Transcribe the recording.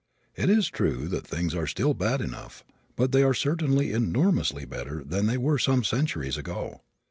It is true that things are still bad enough but they are certainly enormously better than they were some centuries ago.